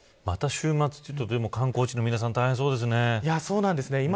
また週末観光地の皆さん大変そうですね。